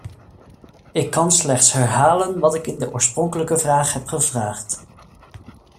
Ik kan slechts herhalen wat ik in de oorspronkelijke vraag heb gevraagd.